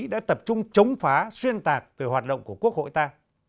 đã tập trung chống phá xuyên tạc về hoạt động của quốc hội ta